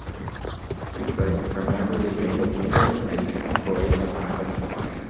He plays primarily as a Winger and can operate on either flank.